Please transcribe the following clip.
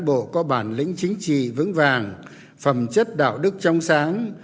các đồng chí cũng luôn thể hiện là những cán bộ có bản lĩnh chính trị vững vàng phẩm chất đạo đức trong sáng